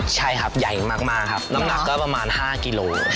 ใช่ครับใหญ่มากครับน้ำหนักก็ประมาณ๕กิโล